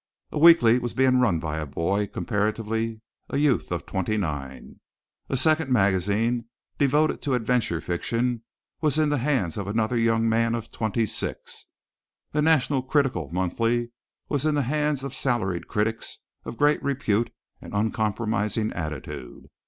A weekly was being run by a boy, comparatively, a youth of twenty nine. A second magazine, devoted to adventure fiction, was in the hands of another young man of twenty six, a national critical monthly was in the hands of salaried critics of great repute and uncompromising attitude.